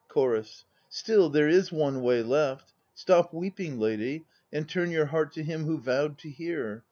CHORUS. Still there is one way left. Stop weeping, Lady, And turn your heart to him who vowed to hear.